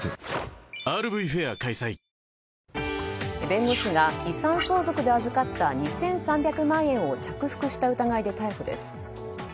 弁護士が遺産相続で預かった２３００万円を着服した疑いで逮捕です。